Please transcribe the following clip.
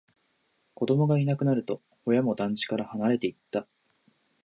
子供がいなくなると、親も団地から離れていった